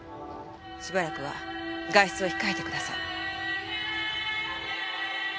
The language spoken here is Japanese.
しばらくは外出は控えてください。